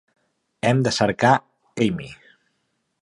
Hem de cercar Amy.